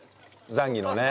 ザンギのね。